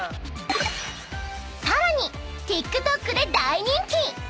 ［さらにＴｉｋＴｏｋで大人気！］